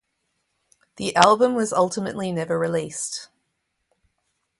The album was ultimately never released.